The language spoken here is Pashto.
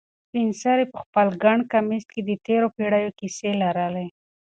سپین سرې په خپل ګڼ کمیس کې د تېرو پېړیو کیسې لرلې.